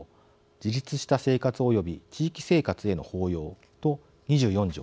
自立した生活及び、地域生活への包容と２４条。